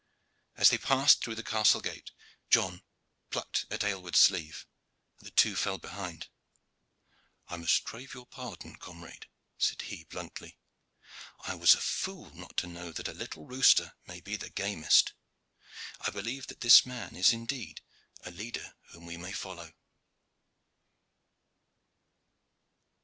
As they passed through the castle gate, John plucked at Aylward's sleeve, and the two fell behind. "I must crave your pardon, comrade," said he, bluntly. "I was a fool not to know that a little rooster may be the gamest. I believe that this man is indeed a leader whom we may follow."